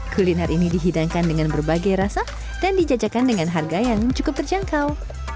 kuliner ini dihidangkan dengan berbagai rasa dan dijajakan dengan harga yang cukup terjangkau